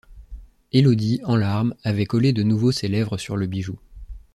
Élodie, en larmes, avait collé de nouveau ses lèvres sur le bijou.